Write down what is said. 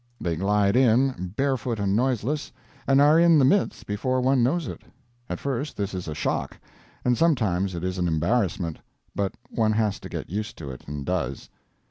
They glide in, barefoot and noiseless, and are in the midst before one knows it. At first this is a shock, and sometimes it is an embarrassment; but one has to get used to it, and does.